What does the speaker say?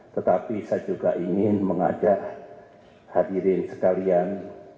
tetapi saya juga ingin mengajak hadirin sekalian